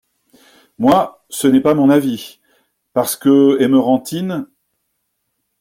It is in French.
Moi, ce n’est pas mon avis… parce que Emerantine…